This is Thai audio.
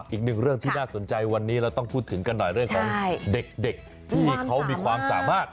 อีกหนึ่งเรื่องที่น่าสนใจวันนี้เราต้องพูดถึงกันหน่อยเรื่องของเด็กที่เขามีความสามารถ